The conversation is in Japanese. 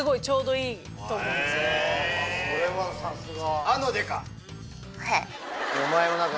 それはさすが！